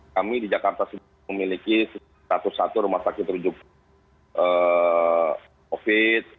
kami di jakarta sudah memiliki satu ratus satu rumah sakit rujuk covid